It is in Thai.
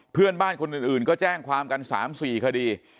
เพื่อนบ้านคนอื่นก็แจ้งความกัน๓๔คดี